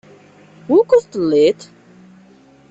Wukud telliḍ?